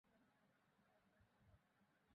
তিনি জ্ঞানের ক্ষেত্রে মনের ভূমিকা অস্বীকার করেননি।